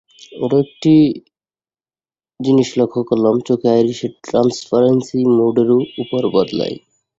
আরো একটি জিনিস লক্ষ করলাম-চোখের আইরিশের ট্রান্সপারেন্সি মুডেরু ওপর বদলায়।